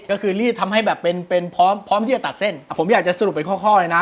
ก็คือรีดทำให้แบบเป็นเป็นพร้อมพร้อมที่จะตัดเส้นอ่ะผมอยากจะสรุปเป็นข้อข้อเลยนะ